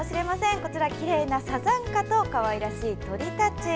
こちらきれいなサザンカとかわいらしい鳥たち。